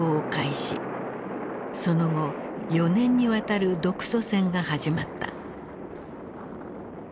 その後４年にわたる独ソ戦が始まった。